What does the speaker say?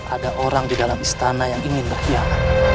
ada orang di dalam istana yang ingin berhiyah